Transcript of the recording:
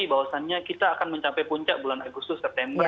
jadi bahwasannya kita akan mencapai puncak bulan agustus september